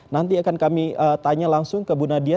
nanti akan kami tanya langsung ke bu nadia